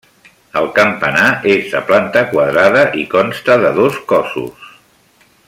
El campanar és de planta quadrada i consta de dos cossos.